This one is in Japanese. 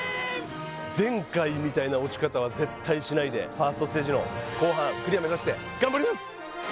前回みたいな落ち方は絶対しないで、ファーストステージクリア目指して頑張ります。